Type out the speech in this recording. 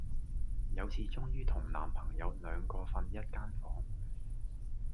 有次終於同男朋友兩個訓一間房